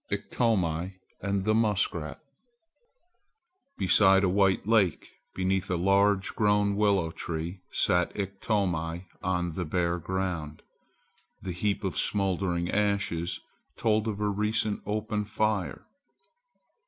IKTOMI AND THE MUSKRAT BESIDE a white lake, beneath a large grown willow tree, sat Iktomi on the bare ground. The heap of smouldering ashes told of a recent open fire.